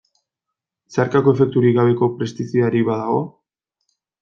Zeharkako efekturik gabeko pestizidarik badago?